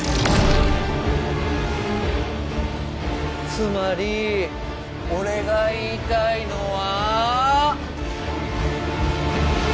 つまり俺が言いたいのは。